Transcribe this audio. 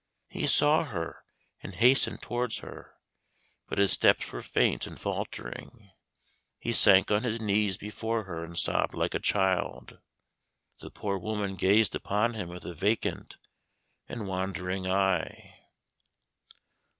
He saw her and hastened towards her, but his steps were faint and faltering; he sank on his knees before her and sobbed like a child. The poor woman gazed upon him with a vacant and wandering eye.